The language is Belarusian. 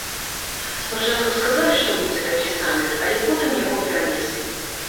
Спачатку сказалі, што будзе такі саміт, але потым яго перанеслі.